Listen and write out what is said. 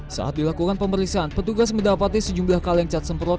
saat dilakukan pemeriksaan petugas mendapati sejumlah kaleng cat semprot